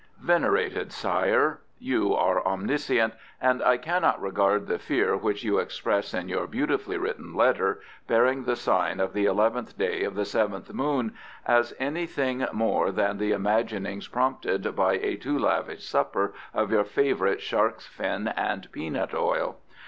Venerated Sire, You are omniscient, but I cannot regard the fear which you express in your beautifully written letter, bearing the sign of the eleventh day of the seventh moon, as anything more than the imaginings prompted by a too lavish supper of your favourite shark's fin and peanut oil.